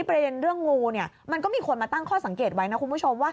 ประเด็นเรื่องงูเนี่ยมันก็มีคนมาตั้งข้อสังเกตไว้นะคุณผู้ชมว่า